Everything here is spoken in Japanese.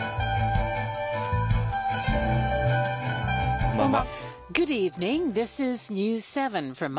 こんばんは。